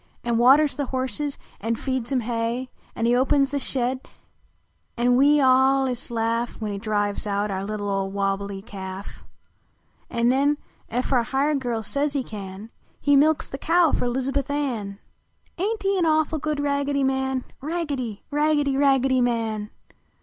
An waters the horses, an feeds em hay : An he opens the shed an we all ist laugh \Yhen he drives out our little old wohhlc ly calf; An nen ef our hired girl says he can He milks the cow fer Lizahuth Ann. Aint he a awful good Raggedy Man? Raggedy! Raggedy! Raggedy Man!